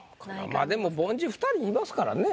でも凡人２人いますからね。